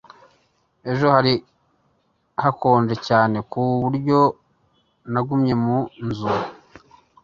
Ejo hari hakonje cyane ku buryo nagumye mu nzu